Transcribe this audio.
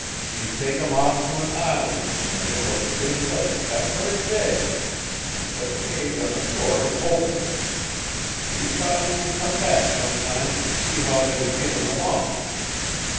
He tak 'em off to an island, in the middle of a big lake, thet very day, an' set the cage on the shore n' opened it He thought he would come back sometime an' see how they was ginin' along.